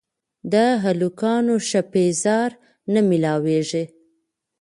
د هلکانو ښه پېزار نه مېلاوېږي